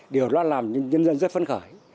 điều đó làm nhân dân rất phấn khởi